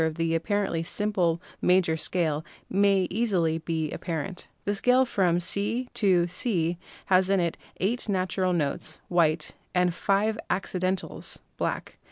The complex nature of the apparently simple major scale may easily be made apparent. The scale from C to C has in it eight natural notes (white) and five "accidentals" (black).